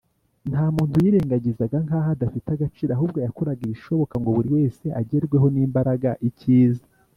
. Nta muntu yirengagizaga nk’aho adafite agaciro, ahubwo yakoraga ibishoboka ngo buri wese agerweho n’imbaraga ikiza